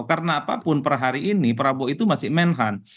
karena apapun per hari ini prabowo itu masih menhan